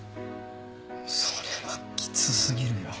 それはきつ過ぎるよ。